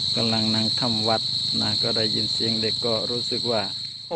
กำลังนั่งถ้ำวัดนะก็ได้ยินเสียงเด็กก็รู้สึกว่า